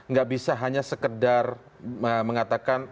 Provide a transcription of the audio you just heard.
nggak bisa hanya sekedar mengatakan